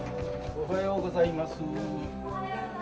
おはようございます。